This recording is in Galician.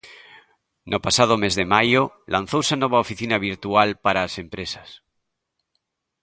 No pasado mes de maio lanzouse a nova oficina virtual para as empresas.